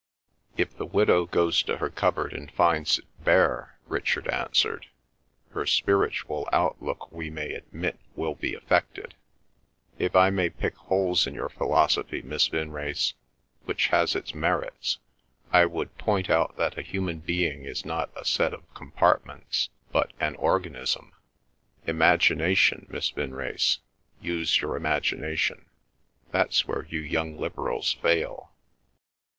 "If the widow goes to her cupboard and finds it bare," Richard answered, "her spiritual outlook we may admit will be affected. If I may pick holes in your philosophy, Miss Vinrace, which has its merits, I would point out that a human being is not a set of compartments, but an organism. Imagination, Miss Vinrace; use your imagination; that's where you young Liberals fail.